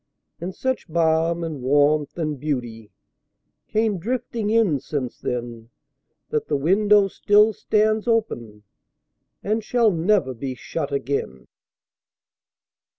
And such balm and warmth and beautyCame drifting in since then, That the window still stands openAnd shall never be shut again.